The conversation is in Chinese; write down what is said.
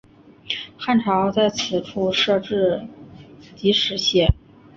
汉朝在此处设置己氏县。